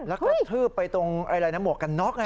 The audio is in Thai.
แล้วก็กระทืบไปตรงอะไรอะไรนะหมวกกันน๊อกไง